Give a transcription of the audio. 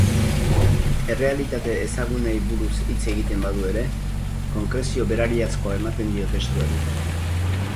Errealitate ezagunei buruz hitz egiten badu ere, konkrezio berariazkoa ematen dio testuari.